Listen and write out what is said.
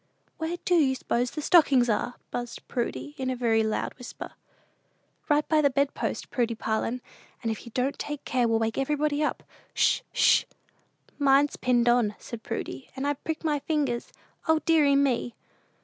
"Where do you s'pose the stockings are?" buzzed Prudy, in a very loud whisper. "Right by the bed post, Prudy Parlin; and if you don't take care we'll wake everybody up. 'Sh! 'Sh!" "Mine's pinned on," said Prudy; "and I've pricked my fingers. O deary me!"